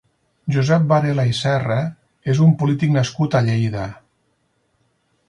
Josep Varela i Serra és un polític nascut a Lleida.